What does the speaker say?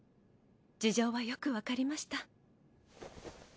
事情はよくわかりました。